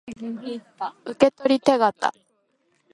受取手形